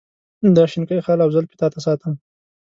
دا شینکی خال او زلفې تا ته ساتم.